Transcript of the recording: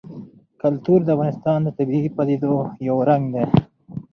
کلتور د افغانستان د طبیعي پدیدو یو رنګ دی.